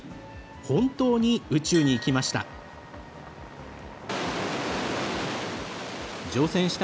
本当に宇宙に行きました。